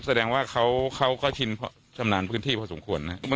แสดงว่าเขาก็ชินชำนาญพื้นที่พอสมควรนะครับ